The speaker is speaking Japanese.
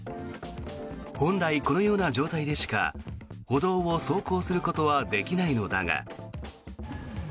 本来、このような状態でしか歩道を走行することはできないのだが。